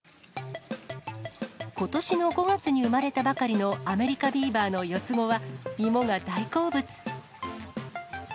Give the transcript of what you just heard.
ことしの５月に生まれたばかりのアメリカビーバーの４つ子は芋が大好物。